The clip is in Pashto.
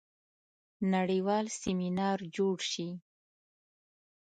نړیوال سیمینار جوړ شي.